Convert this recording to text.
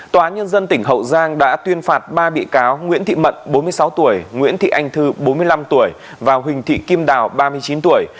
tòa án nhân dân tỉnh hậu giang đã tuyên phạt ba bị cáo nguyễn thị mận bốn mươi sáu tuổi nguyễn thị anh thư bốn mươi năm tuổi và huỳnh thị kim đào ba mươi chín tuổi